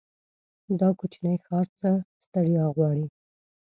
دا کوچينی ښار څه ستړيا غواړي.